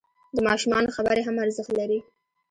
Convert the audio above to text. د ماشومانو خبرې هم ارزښت لري.